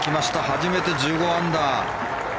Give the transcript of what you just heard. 初めて１５アンダー。